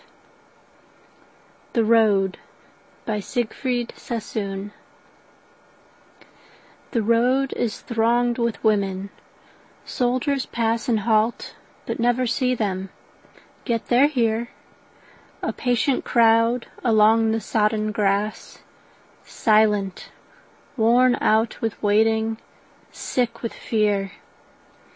June 25th, 1916. THE ROAD The road is thronged with women; soldiers pass And halt, but never see them; yet they're here A patient crowd along the sodden grass, Silent, worn out with waiting, sick with fear.